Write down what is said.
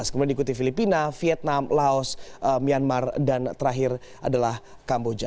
kemudian diikuti filipina vietnam laos myanmar dan terakhir adalah kamboja